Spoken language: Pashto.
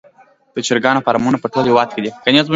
د چرګانو فارمونه په ټول هیواد کې دي